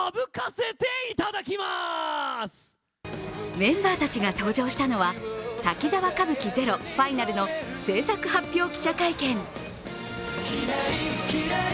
メンバーたちが登場したのは「滝沢歌舞伎ＺＥＲＯＦＩＮＡＬ」の製作発表記者会見。